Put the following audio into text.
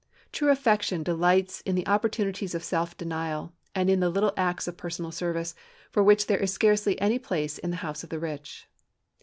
True affection delights in the opportunities of self denial and in the little acts of personal service, for which there is scarcely any place in the house of the rich.